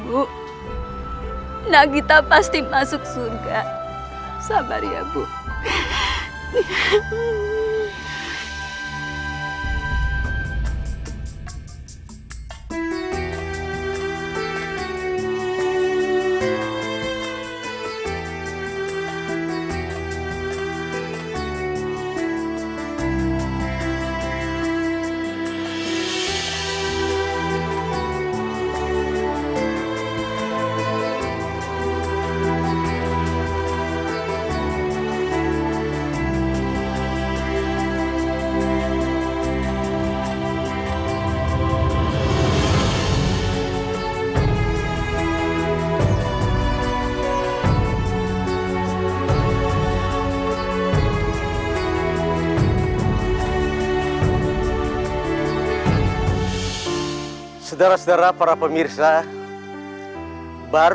usari sungguh mulia